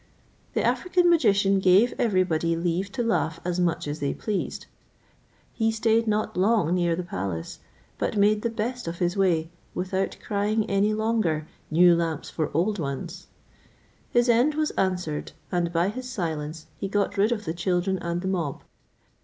The African magician gave everybody leave to laugh as much as they pleased; he stayed not long near the palace, but made the best of his way, without crying any longer, "New lamps for old ones." His end was answered, and by his silence he got rid of the children and the mob.